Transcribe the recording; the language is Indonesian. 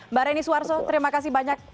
mbak reni suarso terima kasih banyak